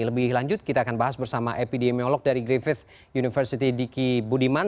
lebih lanjut kita akan bahas bersama epidemiolog dari griffith university diki budiman